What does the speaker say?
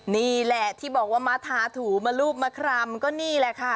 นี่แหละที่บอกว่ามาทาถูมารูปมาครำก็นี่แหละค่ะ